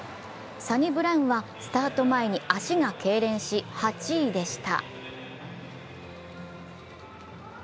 サニブラウンはスタート前に足がけいれんし、８位でした。